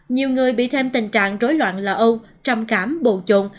nhiều người bị thêm tình trạng rối loạn lò âu trầm cảm bồn trộn